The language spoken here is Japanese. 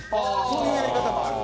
そういうやり方もある？